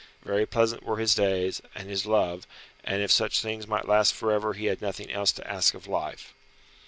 Very pleasant were his days, and his love, and if such things might last for ever he had nothing else to ask of life.